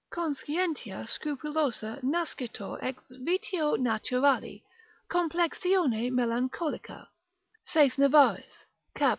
Conscientia scrupulosa nascitur ex vitio naturali, complexione melancholica (saith Navarrus cap.